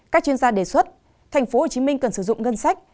các chuyên gia đề xuất tp hcm cần sử dụng ngân sách